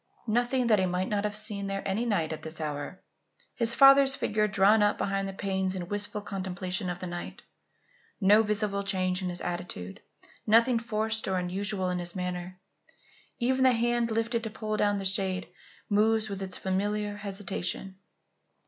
Nothing that he might not have seen there any night at this hour. His father's figure drawn up behind the panes in wistful contemplation of the night. No visible change in his attitude, nothing forced or unusual in his manner. Even the hand, lifted to pull down the shade, moves with its familiar hesitation.